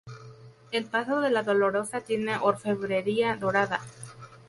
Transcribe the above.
El paso de la dolorosa tiene orfebrería dorada.